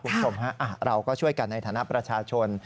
คุณผู้ชมฮะเราก็ช่วยกันในฐานะประชาชน